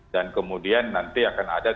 dan kemudian nanti akan ada